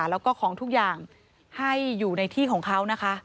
แล้วก็ของทุกอย่างให้อยู่ในที่ของเขานะคะ